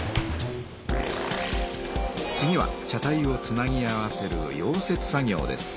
次は車体をつなぎ合わせる溶接作業です。